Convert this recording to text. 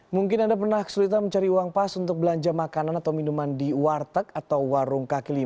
mungkin anda pernah kesulitan mencari uang pas untuk belanja makanan atau minuman di warteg atau warung kaki lima